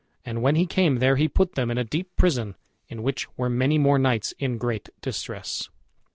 And when he came there he put them in a deep prison, in which were many more knights in great distress.